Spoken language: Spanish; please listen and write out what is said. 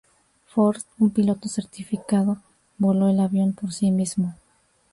Ford, un piloto certificado, voló el avión por sí mismo.